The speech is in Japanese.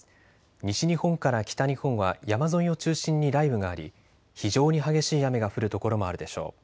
西日本から北日本は山沿いを中心に雷雨があり、非常に激しい雨が降る所もあるでしょう。